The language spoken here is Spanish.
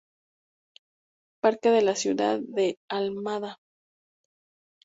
Parque de la Ciudad de Almada.